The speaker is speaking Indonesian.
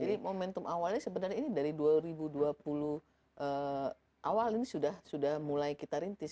jadi momentum awalnya sebenarnya ini dari dua ribu dua puluh awal ini sudah mulai kita rintis